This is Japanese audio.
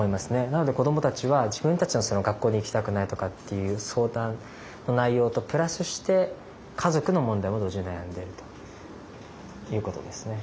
なので子どもたちは自分たちの学校に行きたくないとかっていう相談の内容とプラスして家族の問題も同時に悩んでいるということですね。